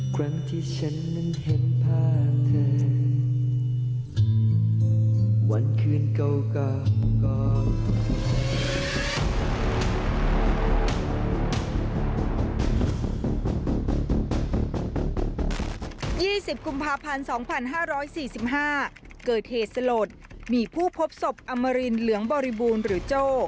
๒๐กุมภาพพันธ์๒๕๔๕เกิดเหตุสลดมีผู้พบศพอมมารินเหลืองบริบูรณ์หรือโจ้